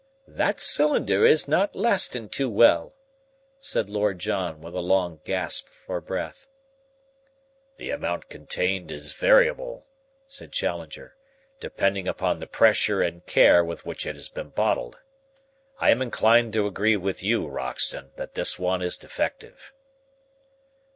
"That cylinder is not lastin' too well," said Lord John with a long gasp for breath. "The amount contained is variable," said Challenger, "depending upon the pressure and care with which it has been bottled. I am inclined to agree with you, Roxton, that this one is defective."